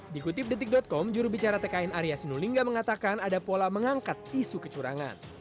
di kutip detik com jurubicara tkn arya sinulingga mengatakan ada pola mengangkat isu kecurangan